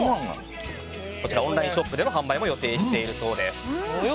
こちらオンラインショップでの販売も予定されているようです。